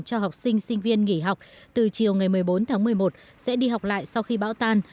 cho học sinh sinh viên nghỉ học từ chiều ngày một mươi bốn tháng một mươi một sẽ đi học lại sau khi bão tan